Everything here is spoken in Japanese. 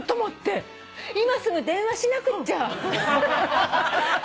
今すぐ電話しなくっちゃ！